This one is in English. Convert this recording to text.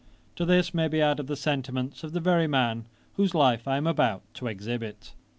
To this may be added the sentiments of the very man whose life I am about to exhibit.